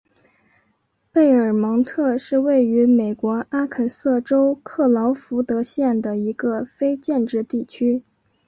贝尔蒙特是位于美国阿肯色州克劳福德县的一个非建制地区。